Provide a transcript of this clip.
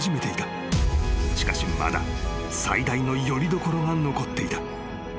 ［しかしまだ最大のよりどころが残っていた］